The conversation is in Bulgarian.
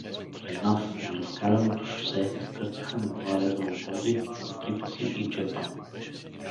Пред нас, на разкаляното шосе, скърцаха на два реда обози с припаси и джепане.